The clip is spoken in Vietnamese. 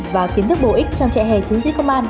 và kiến thức bổ ích trong trẻ hề chiến sĩ công an